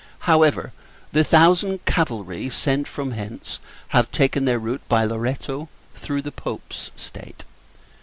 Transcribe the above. However, the thousand cavalry sent from hence have taken their route, by Loretto, through the Pope's state.